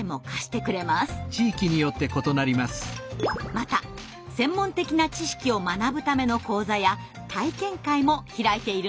また専門的な知識を学ぶための講座や体験会も開いているんです。